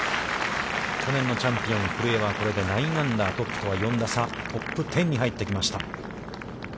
去年のチャンピオン古江は、これで９アンダー、トップとは４打差、トップ１０に入ってきました。